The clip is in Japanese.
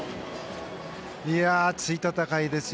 熱い戦いですよ。